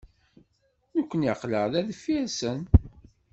Nekkni aql-aɣ da deffir-sen.